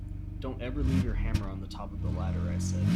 Don’t ever leave your hammer on the top of the ladder, I said.